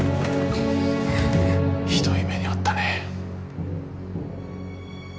ひどい目に遭ったね。